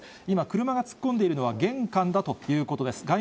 今、車が突っ込んでいるのは、玄関だということです。